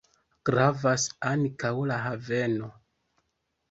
Gravas ankaŭ la haveno.